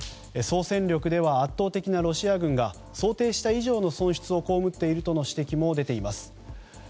総戦力では圧倒的なロシア軍が想定した以上の損失を被っているとの指摘も出ています。